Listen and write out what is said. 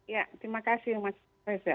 ya terima kasih mas reza